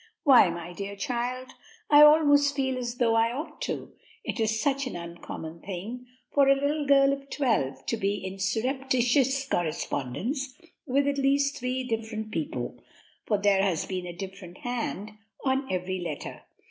"Why, my dear child, I almost feel as though I ought to; it is such an uncommon thing for a little girl of twelve to be in surreptitious correspondence with at least three different people, for there has been a different hand on every letter.